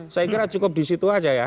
saya kira cukup di situ saja ya